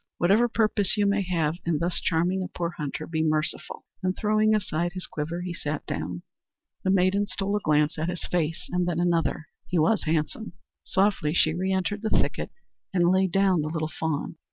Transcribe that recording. Whatever purpose you may have in thus charming a poor hunter, be merciful," and, throwing aside his quiver, he sat down. The maiden stole a glance at his face and then another. He was handsome. Softly she reëntered the thicket and laid down the little fawn.